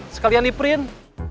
sekalian di print